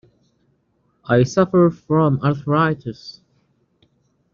I suffer from arthritis.